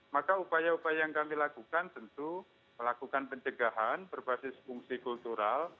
maka upaya upaya yang kami lakukan tentu melakukan pencegahan berbasis fungsi kultural